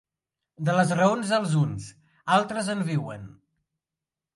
De les raons dels uns, altres en viuen.